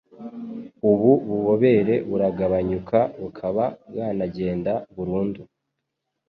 ubu bubobere buragabanyuka bukaba bwanagenda burundu.